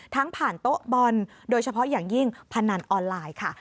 ผ่านโต๊ะบอลโดยเฉพาะอย่างยิ่งพนันออนไลน์ค่ะ